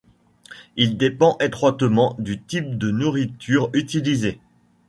Il dépend étroitement du type de nourriture utilisé.